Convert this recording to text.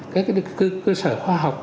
các cơ sở khoa học